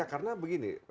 ya karena begini